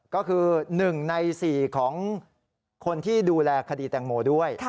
ก็คือ๑ใน๔ของคนที่ดูแลคดีแตงโมด้วย